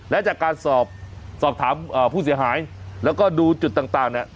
และจากการสอบสอบถามผู้เสียหายแล้วก็ดูจุดต่างเนี่ย